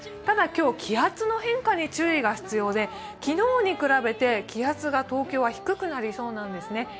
ただ今日、気圧の変化に注意が必要で、昨日に比べて気圧が東京は低くなりそうなんですね。